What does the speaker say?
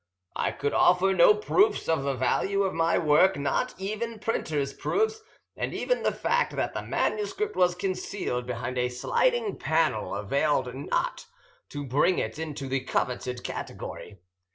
I could offer no proofs of the value of my work, not even printers' proofs, and even the fact that the manuscript was concealed behind a sliding panel availed not to bring it into the coveted category.